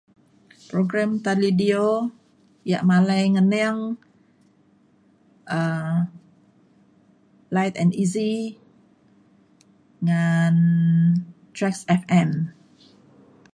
program talidio yak malai ngening um light and easy ngan Traxx FM